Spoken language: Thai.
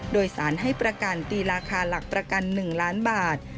โดยสารให้ประกันตีราคาหลักประกัน๑ล้านบาท